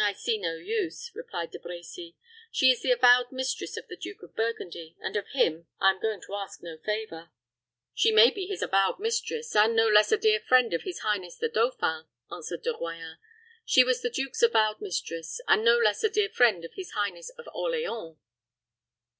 "I see no use," replied De Brecy. "She is the avowed mistress of the Duke of Burgundy, and of him I am going to ask no favor." "She may be his avowed mistress, and no less a dear friend of his highness the dauphin," answered De Royans. "She was the duke's avowed mistress, and no less a dear friend of his highness of Orleans."